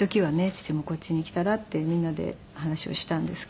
「父もこっちに来たら？」ってみんなで話をしたんですけれども。